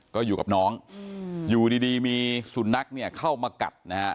ก็อยู่กับน้องอยู่ดีมีสุนัขเนี่ยเข้ามากัดนะฮะ